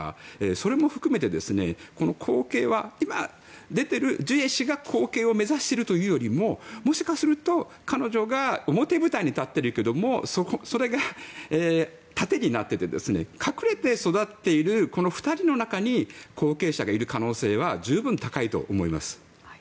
それも含めて後継は今、出ているジュエ氏が後継を目指しているというよりももしかすると、彼女が表舞台に出てきているけどもそれが盾になっていて隠れて育っているこの２人の中に後継者がいる可能性は十分高いと思います。